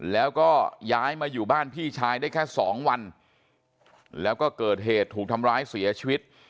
แล้วก็ย้ายมาอยู่บ้านพี่ชายได้แค่สองวันแล้วก็เกิดเหตุถูกทำร้ายเสียชีวิต